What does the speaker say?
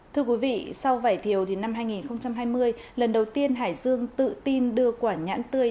thưa quý vị sau vải thiều thì năm hai nghìn hai mươi lần đầu tiên hải dương tự tin đưa quả nhãn tươi